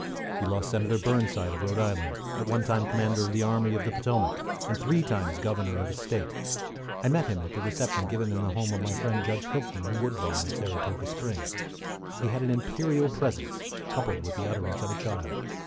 We lost Senator Burnside of Rhode Island, at one time commander of the Army of the Potomac, and three times Governor of his State. I met him at a reception given in the home of my friend Judge Hilton, in Woodlawn, at Saratoga Springs. He had an imperial presence, coupled with the utterance of a child.